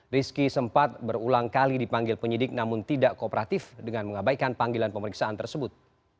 rizky sempat berulang kali dipanggil penyidik namun tidak kooperatif dengan mengabaikan panggilan pemeriksaan tersebut